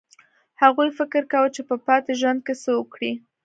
هغوی فکر کاوه چې په پاتې ژوند کې څه وکړي